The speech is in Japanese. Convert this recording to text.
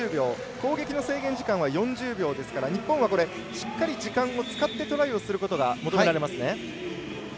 攻撃の制限時間は４０秒ですから日本はしっかり時間を使ってトライをすることが求められますね。